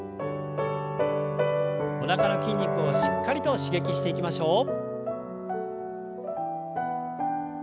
おなかの筋肉をしっかりと刺激していきましょう。